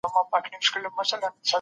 سياست د ژوند په ټولو برخو اغېز کوي.